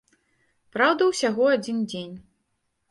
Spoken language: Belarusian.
Праўда, усяго адзін дзень.